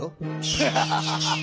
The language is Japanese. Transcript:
フハハハハハハ！